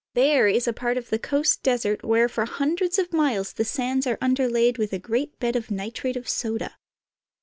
There is a part of the coast desert where for hundreds of miles the sands are underlaid with a great bed of nitrate of soda.